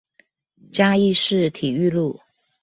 嘉義市體育路